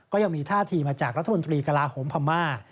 ก็ยังมีท่าทีมาจากรัฐมนตรีกระลาโหมพม่า